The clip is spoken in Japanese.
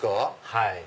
はい。